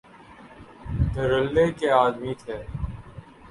دھڑلے کے آدمی تھے۔